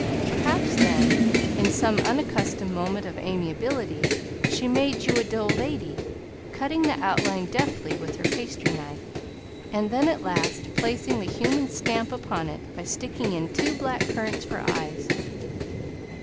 Perhaps then, in some unaccustomed moment of amiability, she made you a dough lady, cutting the outline deftly with her pastry knife, and then, at last, placing the human stamp upon it by sticking in two black currants for eyes.